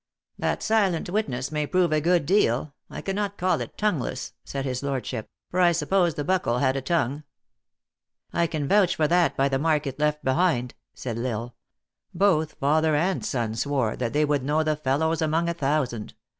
" That silent witness may prove a good deal ; I can not call it tongueless," said his lordship, " for I sup pose the buckle had a tongue." " I can vouch for that by the mark it left behind," said L Isle. " Both father and son swore that they would know the fellows among a thousand.